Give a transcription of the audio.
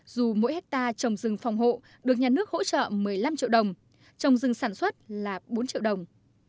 dù mỗi hectare trồng rừng phòng hộ được nhà nước hỗ trợ một mươi năm triệu đồng trồng rừng sản xuất là bốn triệu đồng